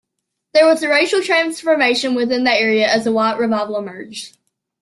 There was a racial transformation within the area, as a white revival emerged.